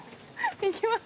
行きます。